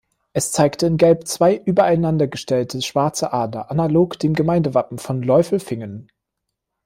Es zeigte in Gelb zwei übereinander gestellte schwarze Adler, analog dem Gemeindewappen von Läufelfingen.